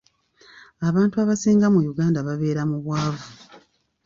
Abantu abasinga mu Uganda babeera mu bwavu.